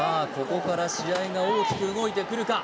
ここから試合が大きく動いてくるか